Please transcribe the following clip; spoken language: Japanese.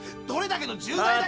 どれだけの重罪。